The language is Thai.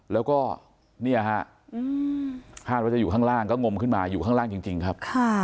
แล้วก็เนี่ยฮะคาดว่าจะอยู่ข้างล่างก็งมขึ้นมาอยู่ข้างล่างจริงครับ